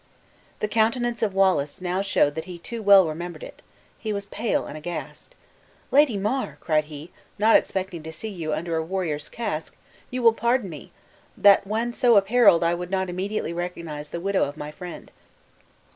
The countenance of Wallace now showed that he too well remembered it. He was pale and aghast. "Lady Mar," cried he, "not expecting to see you under a warrior's casque you will pardon me, that when so appareled I should not immediately recognize the widow of my friend."